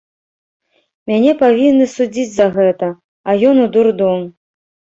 Мяне павінны судзіць за гэта, а ён у дурдом.